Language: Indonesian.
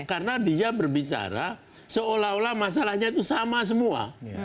karena dia berbicara seolah olah masalahnya itu sama semua